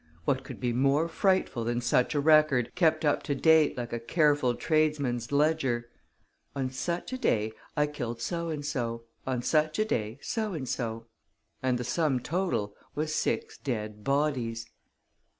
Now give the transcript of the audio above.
What could be more frightful than such a record, kept up to date like a careful tradesman's ledger: "On such a day, I killed so and so; on such a day so and so!" And the sum total was six dead bodies.